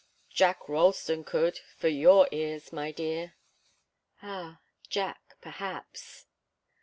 "Jack Ralston could for your ears, my dear." "Ah Jack perhaps!"